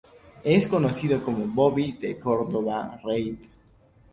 Es conocido como "Bobby De Cordova Reid".